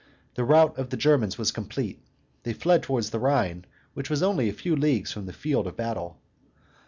The rout of the Germans was complete; they fled towards the Rhine, which was only a few leagues from the field of battle.